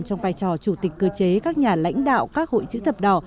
trong vai trò chủ tịch cơ chế các nhà lãnh đạo các hội chữ thập đỏ